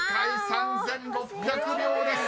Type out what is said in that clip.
「３，６００秒」です］